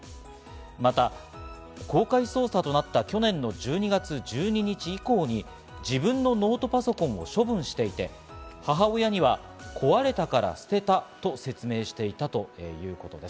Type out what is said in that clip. また公開捜査となった去年の１２月１２日以降に、自分のノートパソコンを処分していて、母親には、壊れたから捨てたと説明していたということです。